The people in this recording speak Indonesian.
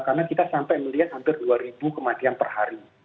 karena kita sampai melihat hampir dua ribu kematian per hari